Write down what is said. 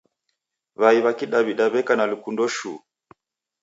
W'ai w'a kidaw'ida w'eka na lukundo shuu.